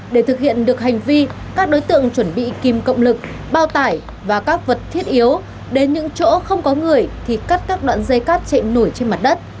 để thực hiện được hành vi các đối tượng chuẩn bị kim cộng lực bao tải và các vật thiết yếu đến những chỗ không có người thì cắt các đoạn dây cát chạy nổi trên mặt đất